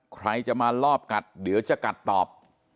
ใครจะมาลอบกัดหรือจะกัดตอบ